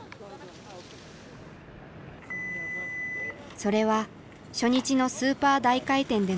それは初日のスーパー大回転でのこと。